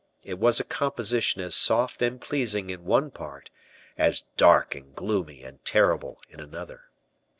It was a composition as soft and pleasing in one part as dark and gloomy and terrible in another.